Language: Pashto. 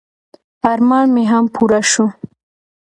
ارمان مې هم پوره شو.